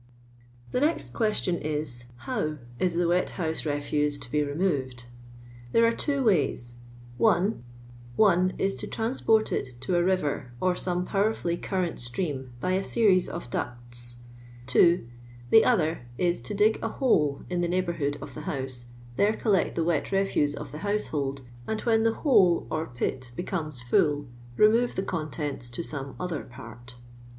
Ihe next question, is — Jlotv is the wet house refuse to be removed ? There .ire two ways :— 1. One is, to transport it to a river, or some (NiwerfuUy curn*nt stream by a series of ducti. ^. The other is, to dig a hole in the neigh bourhood of the house, there collect the wet refuse of tiie household, and when the hole or pit becomes full, remove the contents to some other part.